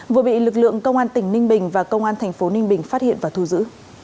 vừa bị lực lượng công an tỉnh ninh bình và công an thành phố ninh bình phát hiện và thu giữ